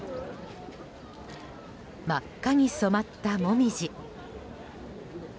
真っ赤に染まったモミジ。